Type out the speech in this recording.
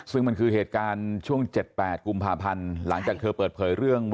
ซึ่งมันคือเหตุการณ์ช่วง๗๘กุมภาพันธ์หลังจากเธอเปิดเผยเรื่อง